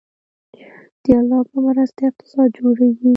د الله په مرسته اقتصاد جوړیږي